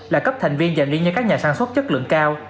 là cấp thành viên dành riêng cho các nhà sản xuất chất lượng cao